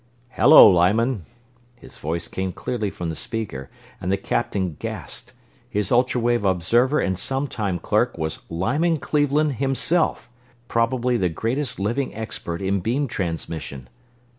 "Hello, Lyman." His voice came clearly from the speaker, and the Captain gasped his ultra wave observer and sometime clerk was Lyman Cleveland himself, probably the greatest living expert in beam transmission!